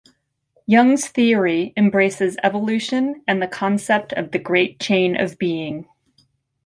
Young's theory embraces evolution and the concept of the great chain of being.